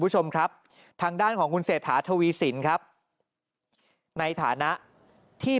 คุณผู้ชมครับทางด้านของคุณเศรษฐาทวีสินครับในฐานะที่